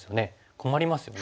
困りますよね。